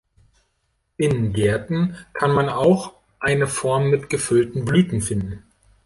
In Gärten kann man auch eine Form mit gefüllten Blüten finden.